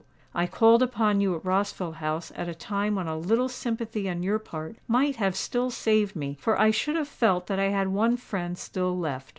_ I called upon you at Rossville House at a time when a little sympathy on your part might have still saved me; for I should have felt that I had one friend still left.